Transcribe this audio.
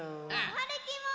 はるきも！